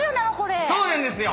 そうなんですよ。